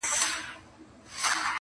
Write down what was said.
چي پخوا چېرته په ښار د نوبهار کي!!